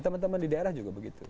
teman teman di daerah juga begitu